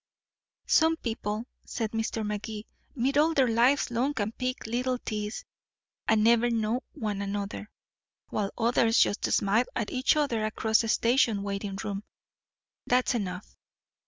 "Some people," said Mr. Magee, "meet all their lives long at pink little teas, and never know one another, while others just smile at each other across a station waiting room that's enough."